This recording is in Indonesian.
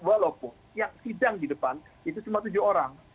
walaupun yang sidang di depan itu cuma tujuh orang